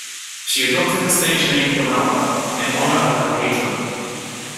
She adopted the stage name Donalda in honour of her patron.